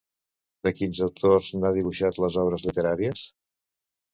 De quins autors n'ha dibuixat les obres literàries?